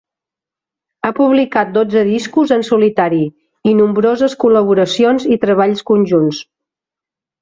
Ha publicat dotze discos en solitari i nombroses col·laboracions i treballs conjunts.